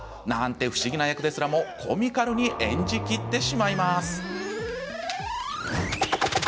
なんて不思議な役ですらもコミカルに演じきってしまいます。